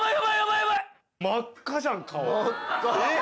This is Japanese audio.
真っ赤じゃん顔。